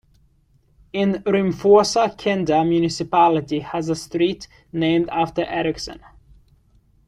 In Rimforsa Kinda municipality has a street named after Eriksson.